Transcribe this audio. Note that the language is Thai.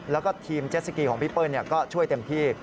แล้วก็ทีมเจสสกีของพี่เปิ้ลก็ช่วยเต็มที่